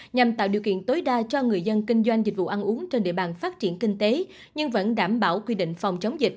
nhằm tạo điều kiện tối đa cho người dân kinh doanh dịch vụ ăn uống trên địa bàn phát triển kinh tế nhưng vẫn đảm bảo quy định phòng chống dịch